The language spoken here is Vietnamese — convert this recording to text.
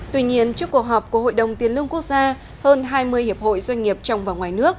tuy nhiên trước cuộc họp của hội đồng tiền lương quốc gia hơn hai mươi hiệp hội doanh nghiệp trong và ngoài nước